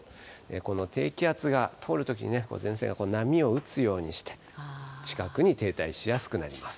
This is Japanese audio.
この低気圧が通るときに前線が波を打つようにして、近くに停滞しやすくなります。